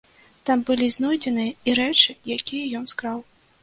Там былі знойдзеныя і рэчы, якія ён скраў.